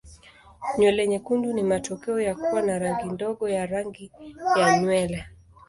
Nywele nyekundu ni matokeo ya kuwa na rangi ndogo ya rangi ya nywele.